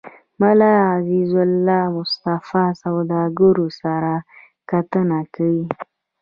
ملا عزيزالله مصطفى سوداګرو سره کتنه کې